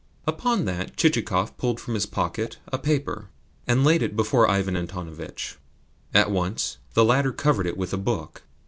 Upon that Chichikov pulled from his pocket a paper, and laid it before Ivan Antonovitch. At once the latter covered it with a book.